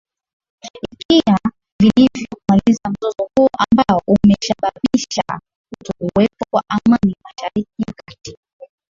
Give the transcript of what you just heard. ikia vilivyo kumaliza mzozo huo ambao umeshababisha kutokuwepo kwa amani mashariki ya kati